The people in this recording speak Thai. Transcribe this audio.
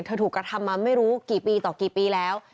ถูกกระทำมาไม่รู้กี่ปีต่อกี่ปีแล้ว